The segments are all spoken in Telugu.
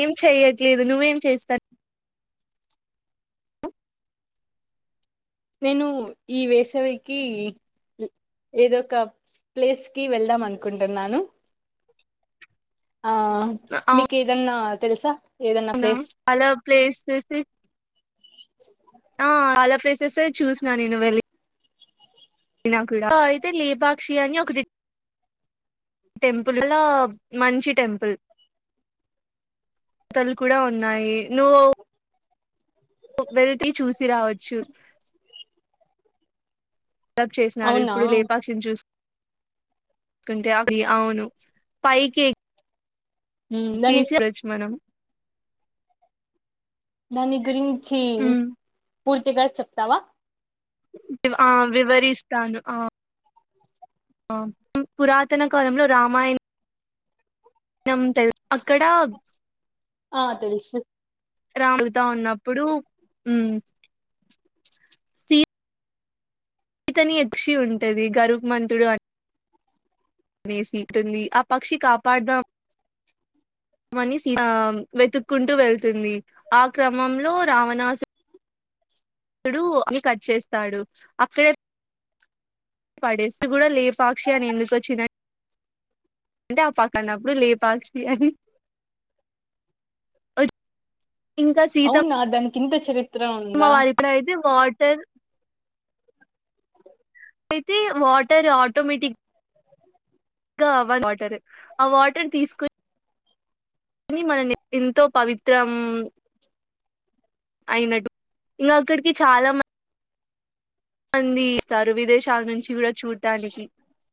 ఏం చెయట్లేదు నువ్వేం చేస్తాన్? నేను ఈ వేసవికి ఏదో ఒక ప్లేస్ కి వెళ్దాం అనుకుంటున్నాను. ఆ మీకు ఏదన్నా తెలుసా? ఏదన్నా ప్లేస్ హలో ప్లేస్ తేసి ఆ అలా ప్లేసెస్ చూసిన నేను వెళ్ళి అయినా కూడా అయితే లేపాక్షి అని ఒకటి టెంపుల్ ల్లా మంచి టెంపుల్ తలు కూడా ఉన్నాయి నువ్ వెళతి చూసి రావచ్చు. ప్ చేసినారు అవునా ఇప్పుడు లేపాక్షిని చూస్ అంటే అది అవును పై కెక్కి మ్మ్. దాని కేసీ లేచ్చు మనం దాని గురించి ఉమ్. పూర్తిగా చెప్తావా? ఆ వివరిస్తాను ఆ ఆ పురాతన కాలంలో రామాయణ ణం తెల్ అక్కడ ఆ తెలుసు రాము [unintelligible] తో ఉన్నప్పుడు మ్ సీ సీతని యక్షి ఉంటది గరుత్మంతుడు అని అనేసి ఉంటుంది ఆ పక్షి కాపాడుదాం మని సి ఆం వెతుక్కుంటూ వెళ్తుంది ఆ క్రమంలో రావణాసు డు ఇ కట్ చేస్తాడు అక్కడే పడేస్ గుడ లేపాక్షి అని ఎందుకొచ్చిదన్ అంటే ఆ పక్కనప్పుడు లేపాచి అని ఒ ఇంకా సీత కిన్న్ పెచ్చదె మా వారి ఇప్పుడ అయితే వాటర్ అయితే వాటర్ ఆటోమేటిక్ గా వ వాటర్ ఆ వాటర్ తీసుకుని కొని మనని ఎంతో పవిత్రం అయినట్టు ఇంగ అక్కడికి చాలా మం మంది స్తారు విదేశాల్నుంచి గూడ చూడ్డానికి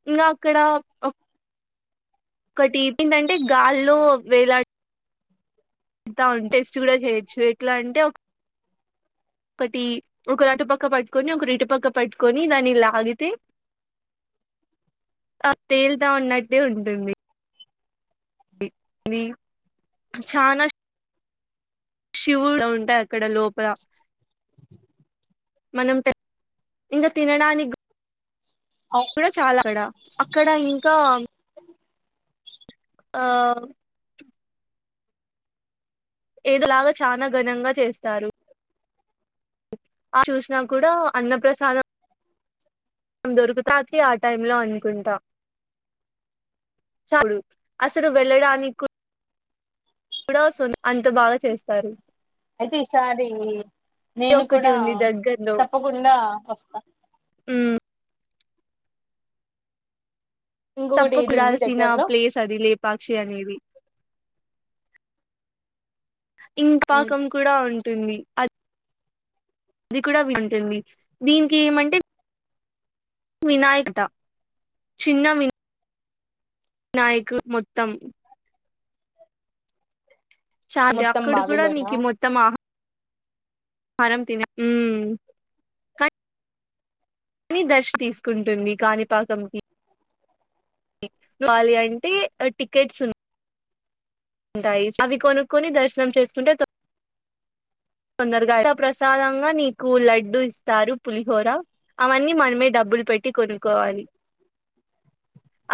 ఇంగా అక్కడ ఒ ఒక్కటి ఏంటంటే గాల్లో వేలా తా ఉన్ టెస్ట్ కూడా చేయచ్చు ఎట్లా అంటే ఒక ఒకటి ఒకర్ అటుపక్క పట్టుకొని ఒకర్ ఇటుపక్క పట్టుకొని దాన్ని లాగితే తేలుతా ఉన్నట్టే ఉంటుంది ఇ చానా శివు ఉంటాయి అక్కడ లోపల మనం తె ఇంగ తినడానిక్ గు అవు కుడ చాలా అక్కడ అక్కడ ఇంకా ఆ ఎదొ లాగా చానా ఘనంగా చేస్తారు అ చూసినా కూడా అన్న ప్ర్రసాదం నం దొరుకుతా రాత్రి ఆ టైమ్ లో అనుకుంటా చ వుడు అసలు వెళ్ళడానికి కూడా సున్ అంత బాగా చేస్తారు అయితీసారి ఇది నేను ఒకటి కూడా ఉంది దగ్గర్లో తప్పకుండా ఒస్తా మ్ ఇంకొకటి ఏది ఉంది తప్పకుడాల్సిన దగ్గరలో ప్లేస్ అది లేపాక్షి అనేది ఇంక్ మ్మ్. పాకం కూడా ఉం ంటంది అ అది కూడా వింటుంది దీన్కి ఏమంటే వినాయకత చిన్న వి నాయకుడు మొత్తం చాల మొత్తం అక్కడ కూడా బావిలోనా నీకి మొత్తం ఆ మరమ్ తినె మ్ కన్ నీ దర్ష్ తీసుకుంటుంది కాని పాకం కి ఆలి అంటే టికెట్స్ ఉన్నా ఉంటాయి అవి కొనుక్కొని దర్శనం చేసుకుంటే తొందరగా ప్రసాదంగా నీకు లడ్డు ఇస్తారు పులిహోర అవన్నీ మనమే డబ్బు బ్బుల్ పెట్టి కొనుక్కవాలి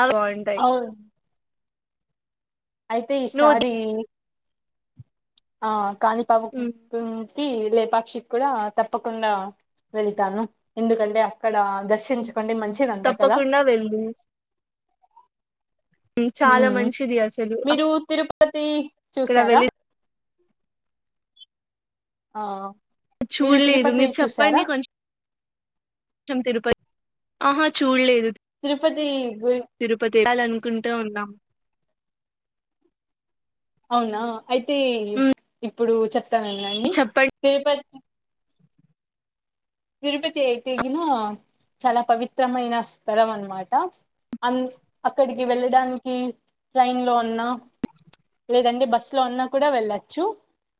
అ బోంటాయి అవును అయితే ఈసారి ఆ కానిపాకం మ్ లేపాక్షికి కూడా తప్పకుండా వెళతాను ఎందుకంటే అక్కడ దర్శించ ఇండి మంచిదింటా కదా తప్పకుండా వెళ్ళు చాలా మ్మ్ మంచిది అసలు మీరు తిరుపతి అక్కడ చూసారా వెళ్ళి ఆ మీరు చూడలేదు తిరుపతి మీరు చెప్పండి చూసారా కొంచెం కొంచెం తిరుపతి ఆహా చూడలేదు తిరుపతి గురి తిరుపతి వెళ్ళాల అనుకుంటూ ఉన్నాం అవునా అయితే ఇప్పుడు చెప్తానున్నాడి చెప్పండి తిరుపతి తిరుపతి అయి తగినా చాలా పవిత్రమైన స్థలం అన్నమాట అన్ అక్కడికి వెళ్ళడానికి ట్రైన్ లో అన్నా లేదండి బస్ లో ఉన్నా కూడా వెళ్ళచ్చు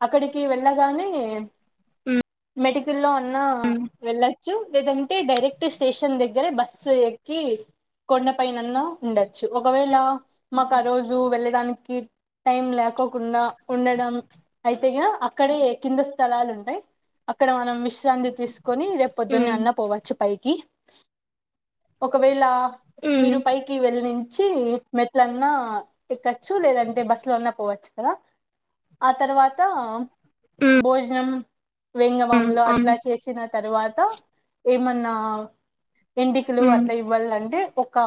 అక్కడికి వెళ్ళగానే మెడికల్ లో అన్న వెళ్ళొచ్చు లేదంటే డైరెక్ట్ స్టేషన్ దగ్గర బస్సు ఎక్కి కొండపైనన్నా ఉండొచ్చు ఒకవేళ మాకు ఆ రోజు వెళ్ళడానికి టైం లేక్కకుండా ఉండడం అయితే క అక్కడే కింద స్థలాలు ఉంటాయి అక్కడ మనం విశ్రాంతి తీసుకు కోని రేపు పొద్దున్న అన్న పోవచ్చు పైకి ఒకవేళ మీరు పైకి వెళ్ళ మెట్లన్నా ఎక్కచ్చు లేదంటే బస్ లో అన్నా పోవచ్చు కదా ఆ తర్వాత భోజనం వంగవంలో అట్లా చేసిన తర్వాత ఏమన్నా ఎంన్నికలు అట్లా ఇవ్వాలంటే ఒక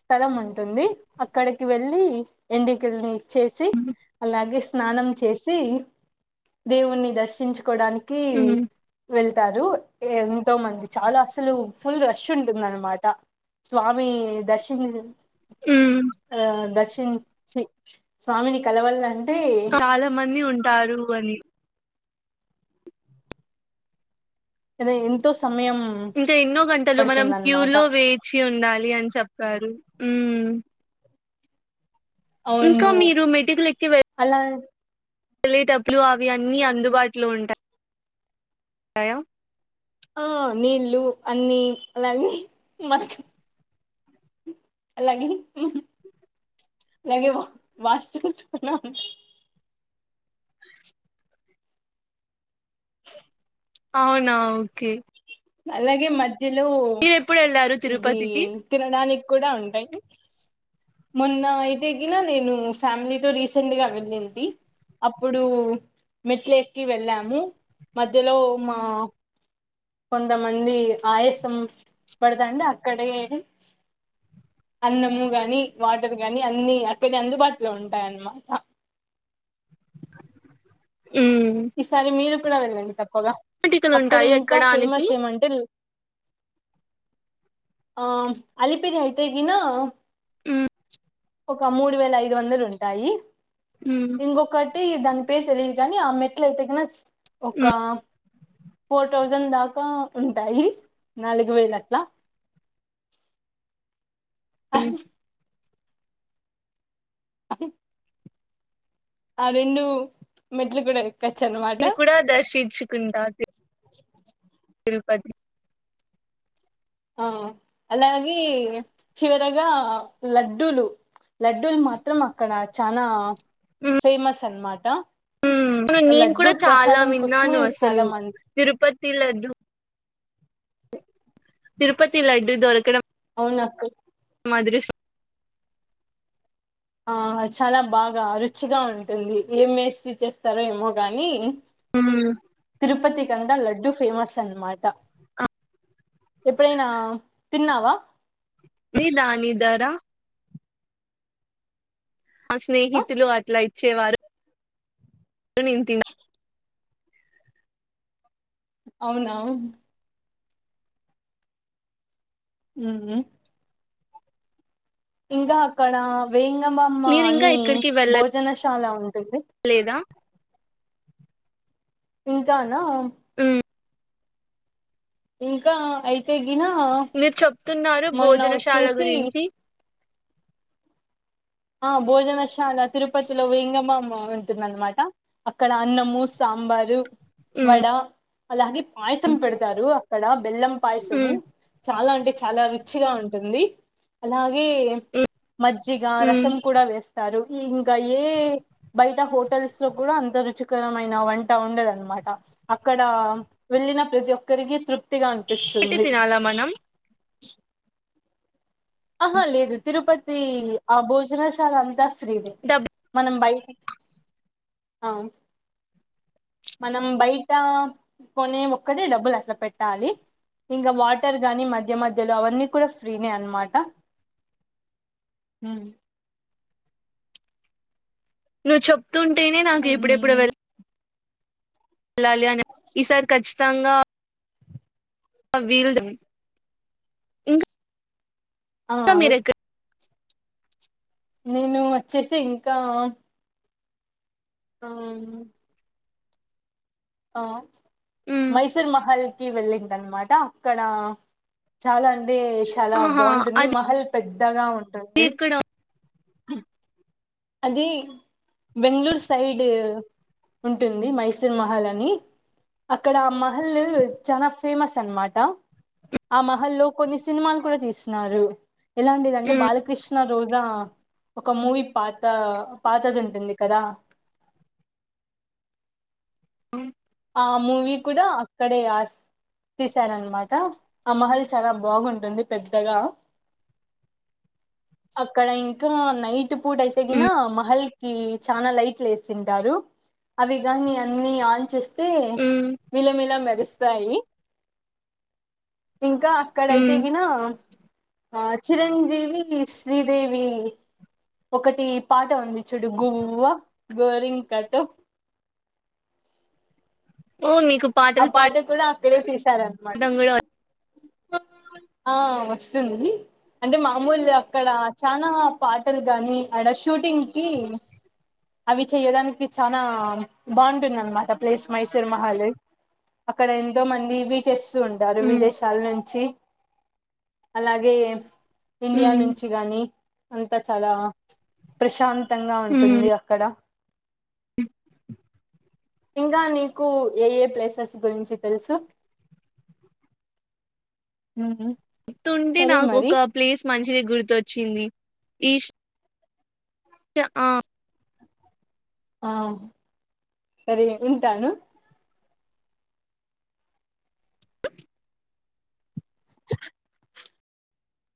స్థలం ఉంటుంది అక్కడికి వెళ్ళి ఎండికల్ని ఇచేసి అలాగే స్నానం చేసి దేవుణి దర్శించుకోవడానికి వెళ్తారు ఎంతో మంది చాలా అసలు ఫుల్ రష్ ఉంటుంది అనమాట స్వామి దర్శని ఆ దర్శన్ శ స్వామిని కలవల్లని చాలా మంది ఉంటారు అని అదే ఎంతో సమయం ఇంకా ఎన్నో గంటలు మనం క్యూ పడుతుందన్నమాట లో వేచి ఉండాలి అని చెప్పారు మ్మ్ ఇంకా అవును మీరు మెడికుల్ ఎక్కి వెళ్ళ అలా తెళ్లిటప్పులు అవి అన్నీ అందుబాటులో ఉంటయా ఆ నీళ్ళలు అన్ని అలాగే మ అలాగే అలాగే అవునా ఓకే అలాగే మధ్యలో మీరెప్పుడెళ్లారు ఇది తిరుపతికి? తినడానికి కూడా ఉంటాయి మొన్న అయితే ఎగిన నేను ఫ్యామిలీతో రీసెంట్ గా వెళ్లింది అప్పుడు మెట్ల ఎక్కి వెళ్ళాము మధ్యలో మా కొంతమంది ఆయాసం పడదండి అక్కడే అన్నము గాని వాటర్ గాని అన్ని అక్కనే అందుబాటులో ఉంటాయన్నమాట హ్మ్. ఈసారి మీరు కూడా వెళ్ళండి తప్పగా అక్కడ మెటికలుంటాయి ఇంకా ఎక్కడానికి. ఫేమస్ ఏమంటే ఆ అలిపిరి అయితేగినా మ్మ్ ఒక మూడు వేల ఐదు వందలు ఉంటాయి హ్మ్. ఇంకొకటి అంటే దాని పేరు తెలియదు కాని ఆ మెట్ల అయితే కిన ఒక ఫోర్ థౌజండ్ దాకా ఉంటాయి నాలుగు వేల అట్లా అ అ చె ఆ రెండు మెట్లు కూడా ఎక్కచ్చు అనమాట నిన్ను కూడా దర్శించుకుంటాది అ తిరుపతి ఆ అలాగే చివరగా లడ్డూలు లడ్డూలు మాత్రం అక్కడ చనా హ్మ్. ఫేమస్ అన్నమాట నేను లడ్డూ కూడా చాలా ప్రసాదం విన్నాను కోసమే చాలా అసలు. మంది తిరుపతి లడ్డు తిరుపతి లడ్డు దొరకడం అవును అక్క మాధురిసం ఆ చాలా బాగా రుచిగా ఉంటుంది ఏం వేసి చేస్తారో ఏమో గాని హ్మ్. తిరుపతి కడా లడ్డు ఫేమస్ అనమాట ఎప్పుడైనా తిన్నావా నిలా నిద్దరా అసలే ఆ [unintelligible] అట్లా వచ్చేవారు నేను తిన్న అవునా అ హ్మ్ ఉమ్ ఇంకా అక్కడ వేంగబమ్మ మీరింకా అని ఎక్కడికి భోజనశాల ఉంటుంది వెళ్ళలేదా? ఇంకానా హ్మ్. ఇంకా అయితే గిన మీరు చెప్తున్నారు మొన్న భోజనశాల వచ్చేసి గురించి ఆ భోజనశాల తిరుపతిలో వెంగబమ్మ బాగు ఉంటుందన్నమాట అక్కడ అన్నము సాంబారు ఉమ్ వడ అలాగే పాయసం పెడతారు అక్కడ బెల్లం పాయసము ఉమ్ చాలా అంటే చాలా రుచిగా ఉంటుంది అలాగే మజ్జిగ ఉమ్ రసం కూడా వేస్తా టారు ఈ ఇంకా ఏ బయట హోటల్స్ లో కూడా అంత రుచికరమైన వంట ఉండదు అన్నమా అక్కడ వెళ్ళిన ప్రతి ఒక్కరికి తృప్ తిగా పెట్టి అనిపిస్తుంది తినాలా మనం ఆహా లేదు తిరుపతి ఆ భోజనశాల అంతా శ్రీ వెంక డబ్ మనం బయట అ మనం బయట అ కొనే ఒక్కటే డబ్బులు అసలు పెట్టాలి ఇంకా వాటర్ గానీ మధ్య మధ్యలో అవన్నీ కూడా ఫ్రీ నే అనమాట అహు నువ్వు చెప్తుంటేనే నాకు ఇప్పుడెప్పుడు వెళ వెలాలి అని ఈసారి ఖచ్చితంగా విల్ ఇం ఆ నేను వచ్చేసి ఇంకా ఆ అవును ఆ ఉమ్ మైసూర్ మహల్ వెళ్ళింది అనమాట అక్కడ చాలా అ అంటే చాలా ఆహా బాగుంటుంది అది మహల్ పెద్దగా ఉ ఇక్కడ అది బెంగళూరు సైడ్ ఉంటుంది మైసూర్ మహారాణి అక్కడ ఆ మహల్ చాలా ఫేమస్ అనమాట ఆ మహల్ లో కొన్ని సినిమాలు కూడా తీసినారు ఎలాంటిదింటే ఉమ్ బాలకృష్ణ రోజా ఒక మూవీ పాట్ దా పాతది ఉంటుంది కదా ఉ ఆ మూవీ కూడా అక్కడే ఆస్ తీశారనమాట ఆ మహల్ చాలా బాగుంటుంది పెద్దగా అక్కడ ఇంకా నైట్ పూట అయితే గిన ఉమ్ మహల్ కి చానా లైట్లు వేసింటారు అవి గానీ అన్ని ఆన్ చేస్ తే ఉమ్ మిలమిలా మెరుస్తాయి ఇంకా అక్కడ అయితే ఉమ్ గిన ఆ చిరంజీవికి శ్రీదేవి ఒకటి పాట ఉంది చూడు గువ్వా గోరింకతో పో ని ఆ పాట కూడా అక్కడే తీశారనమాట పాడడం కూడా ఆ వ సిమ్ ని అంటే మామూలు అక్కడ చానా పాటలు గాని అడ షూటింగ్ కి అవి చెయ్యడానికి చానా బాగుంటుంది అన్నమాట ప్లేస్ మైసూర్ మహల్ అక్కడ ఎంతో మంది ఇవి చేస్తూ ఉంటారు ఉమ్ విదేశాల నుంచి అలాగే ఇండియా ఉమ్ నుంచి గాని అంతా చాలా ప్రశాంతంగా ఉంటుంది అక్కడ అ ఇంకా నీకు ఏ ఏ ప్లేసెస్ గురించి తెలుసు ఉమ్ తుంటి సరే నాకు మరి ఒక ప్లేస్ మంచిది గుర్తొచ్చింది ఈష్ ఆ ఆ సరే ఏ ఉంటాను